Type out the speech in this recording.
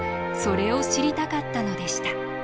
それを知りたかったのでした。